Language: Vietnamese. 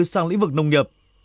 sang lĩnh vực nông nghiệp